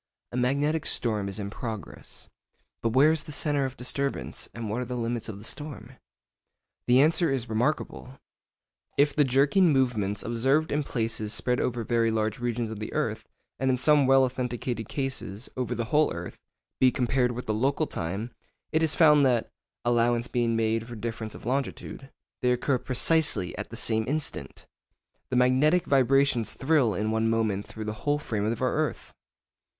A magnetic storm is in progress. But where is the centre of disturbance, and what are the limits of the storm? The answer is remarkable. If the jerking movements observed in places spread over very large regions of the earth—and in some well authenticated cases over the whole earth—be compared with the local time, it is found that (allowance being made for difference of longitude) they occur precisely at the same instant. The magnetic vibrations thrill in one moment through the whole frame of our earth!